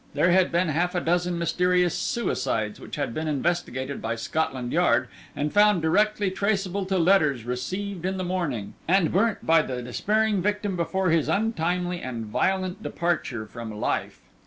There had been half a dozen mysterious suicides which had been investigated by Scotland Yard, and found directly traceable to letters received in the morning, and burnt by the despairing victim before his untimely and violent departure from life.